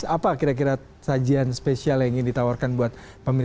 apa kira kira sajian spesial yang ingin ditawarkan buat pemirsa